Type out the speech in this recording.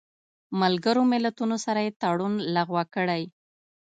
ملګرو ملتونو سره یې تړون لغوه کړی